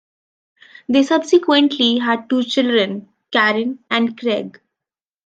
They subsequently had two children, Karen and Craig.